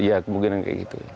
ya kemungkinan seperti itu